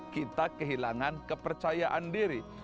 kita kehilangan kepercayaan diri